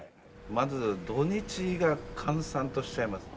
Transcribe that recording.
まず土日が閑散としちゃいます。